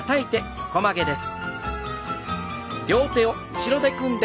横曲げです。